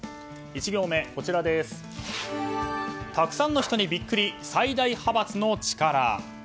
１行目、たくさんの人にビックリ最大派閥の力。